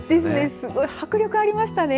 すごい迫力ありましたね。